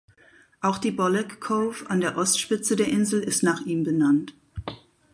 Auch die Bolek Cove an der Ostspitze der Insel ist nach ihm benannt.